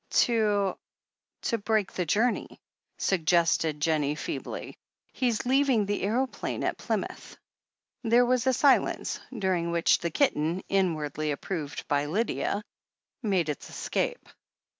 "To — ^to break the journey," suggested Jennie feebly. "He's leaving the aeroplane at Plymouth." There was a silence, during which the kitten, in wardly approved by Lydia, made its escape.